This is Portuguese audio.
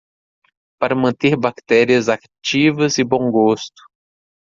Para manter bactérias ativas e bom gosto